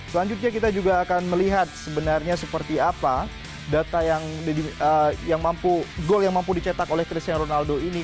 selanjutnya kita juga akan melihat sebenarnya seperti apa data yang mampu gol yang mampu dicetak oleh cristiano ronaldo ini